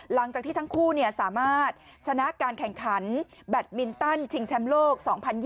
หลังจากที่ทั้งคู่สามารถชนะการแข่งขันแบตมินตันชิงแชมป์โลก๒๐๒๐